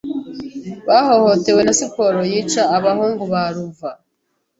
bahohotewe na siporo yica abahungu ba Luva